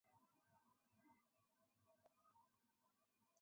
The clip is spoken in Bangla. কারণ বুদ্ধের বাণী নানা স্থানে ছড়াইয়া পড়িয়া বহু বিচিত্র বর্ণে রঞ্জিত হইয়াছিল।